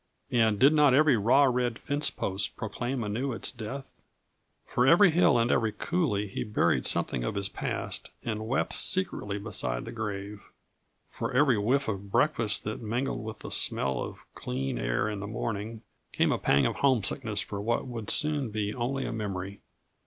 And did not every raw red fencepost proclaim anew its death? For every hill and every coulée he buried something of his past and wept secretly beside the grave. For every whiff of breakfast that mingled with the smell of clean air in the morning came a pang of homesickness for what would soon be only a memory.